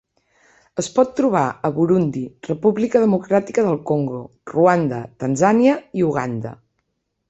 Es pot trobar a Burundi, República Democràtica del Congo, Ruanda, Tanzània i Uganda.